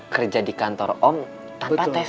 kerja di kantor om tanpa tes